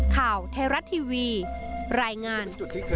ข่าวเทราะทีวีรายงาน